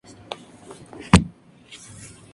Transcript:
Estaba casada Andrzej Wajda.